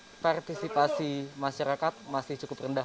karena partisipasi masyarakat masih cukup rendah